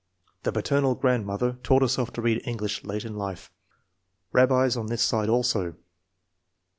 The paternal grandmother taught herself to read English late in life. Rabbis on this side also.